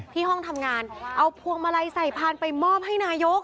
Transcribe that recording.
ห้องทำงานเอาพวงมาลัยใส่พานไปมอบให้นายก